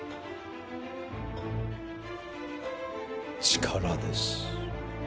力です。